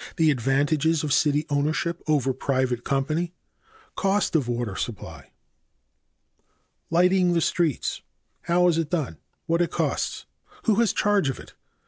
h. The advantages of city ownership over private company. i. Cost of water supply. 8. Lighting the streets. a. How it is done. b. What it costs. c. Who has charge of it.